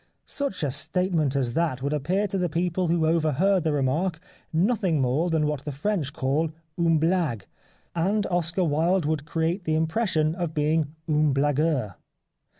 Such a statement as that would appear to the people who overheard the remark, nothing more than what the French call une blague, and Oscar Wilde would create the im pression of being 'un blagueur.